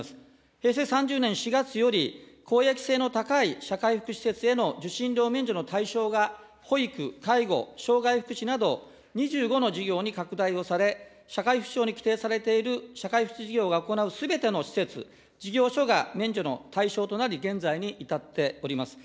平成３０年４月より、公益性の高い社会福祉施設への受信料免除の対象が保育、介護、障害福祉など、２５の事業に拡大をされ、社会福祉法に規定されている、社会福祉事業が行うすべての施設、事業所が免除の対象となり、現在に至っております。